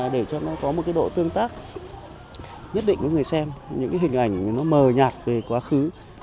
để cho nó có một độ tương tác nhất định với người xem những hình ảnh mờ nhạt về quá khứ